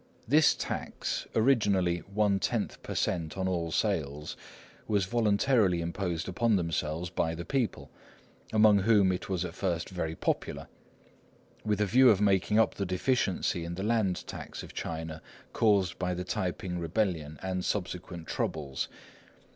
This tax, originally one tenth per cent on all sales, was voluntarily imposed upon themselves by the people, among whom it was at first very popular, with a view of making up the deficiency in the land tax of China caused by the T'ai p'ing Rebellion and subsequent troubles.